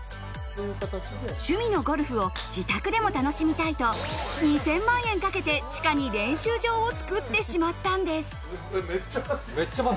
趣味のゴルフを自宅でも楽しみたいと、２０００万円かけて地下に練習場を作ってしまったんです。